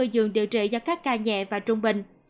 ba nghìn bảy mươi dường điều trị cho các ca nhẹ và trung bình